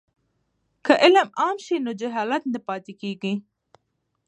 که علم عام شي نو جهالت نه پاتې کیږي.